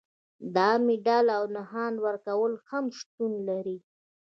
د مډال او نښان ورکول هم شتون لري.